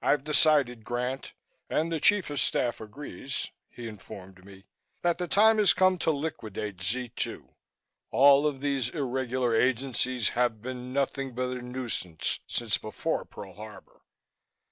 "I've decided, Grant, and the Chief of Staff agrees," he informed me, "that the time has come to liquidate Z 2. All of these irregular agencies have been nothing but a nuisance since before Pearl Harbor.